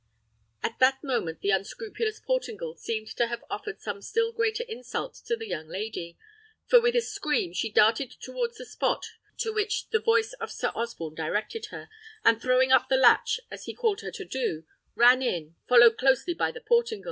At that moment the unscrupulous Portingal seems to have offered some still greater insult to the young lady; for, with a scream, she darted towards the spot to which the voice of Sir Osborne directed her, and throwing up the latch, as he called to her to do, ran in, followed closely by the Portingal.